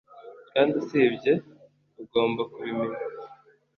Kandi usibye ugomba kubimenya